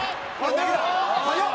速っ！